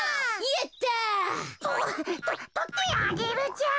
やった！ととってアゲルちゃん。